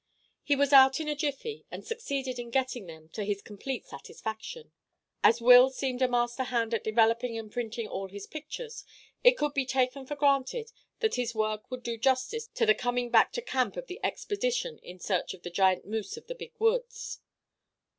He was out in a jiffy, and succeeded in getting them, to his complete satisfaction. As Will seemed a master hand at developing and printing all his pictures, it could be taken for granted that his work would do justice to the coming back to camp of the expedition in search of the giant moose of the Big Woods.